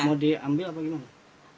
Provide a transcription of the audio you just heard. mau diambil apa gimana